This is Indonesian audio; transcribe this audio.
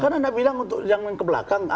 kan anda bilang untuk yang ke belakang